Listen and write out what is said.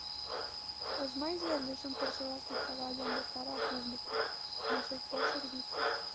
Os máis deles son persoas que traballan de cara ao público, no sector servizos.